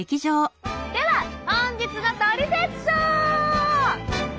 では本日の「トリセツショー」。